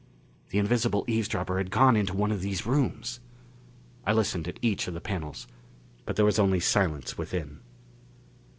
The invisible eavesdropper had gone into one of these rooms! I listened at each of the panels, but there was only silence within.